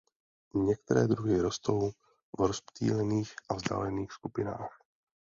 Některé druhy rostou v rozptýlených a vzdálených skupinách.